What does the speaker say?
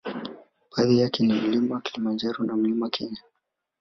Baadhi yake ni mlima kilimanjaro na mlima Kenya